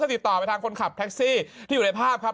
ติดต่อไปทางคนขับแท็กซี่ที่อยู่ในภาพครับ